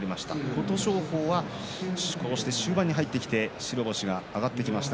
琴勝峰は終盤に入ってきて白星が挙がってきました。